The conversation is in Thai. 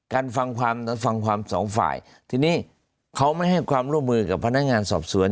ฟังความนั้นฟังความสองฝ่ายทีนี้เขาไม่ให้ความร่วมมือกับพนักงานสอบสวน